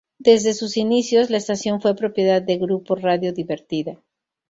Desde sus inicios la estación fue propiedad de Grupo Radio Divertida.